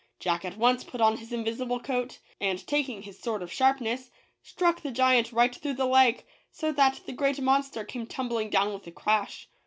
Jack at once put on his invisible coat, and taking his sword of sharpness, stuck the giant right through the leg, so that the great monster came tum bling down with a crash.